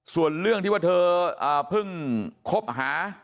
ส่วนเรื่องที่ว่าเธอเพิ่งคบหา